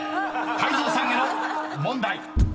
［泰造さんへの問題］